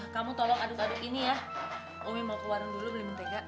kamu tolong aduk aduk ini ya umi mau keluar dulu beli mentega